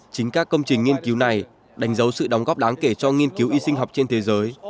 chính các công trình nghiên cứu này đánh dấu sự đóng góp đáng kể cho nghiên cứu y sinh học trên thế giới